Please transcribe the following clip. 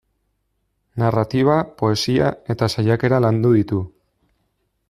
Narratiba, poesia eta saiakera landu ditu.